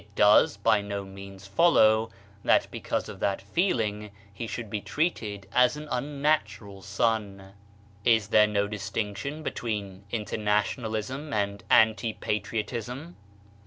It does by no means follow that because of that feeling he should be treated as an unnatural son. Is there no distinction between internationalism and anti patriotism